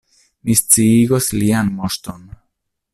Mi sciigos Lian Moŝton.